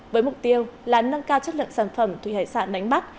với mục tiêu là nâng cao chất lượng sản phẩm thủy hải sản đánh bắt